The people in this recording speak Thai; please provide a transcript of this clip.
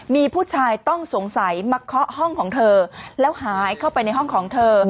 มีผู้ชายต้องสงสัยมาเคาะห้องของเธอแล้วหายเข้าไปในห้องของเธอ